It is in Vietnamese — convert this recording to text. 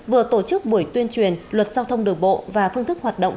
vừa tổ chức buổi tuyên truyền luật giao thông đường bộ và phương thức hoạt động